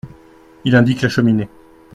Il indique la cheminée.